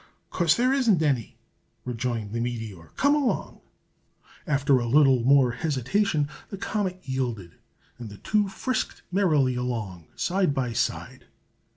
"'Cause there isn't any!" rejoined the meteor. "Come along!" After a little more hesitation, the comet yielded, and the two frisked merrily along, side by side.